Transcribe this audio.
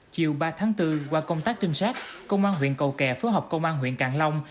chiều ba tháng bốn qua công tác trinh sát công an huyện cầu kè phối hợp công an huyện cạn long